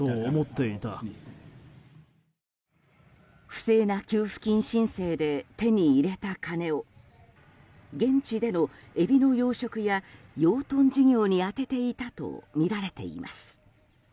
不正な給付金申請で手に入れた金を現地でのエビの養殖や養豚事業に充てていたとみられています。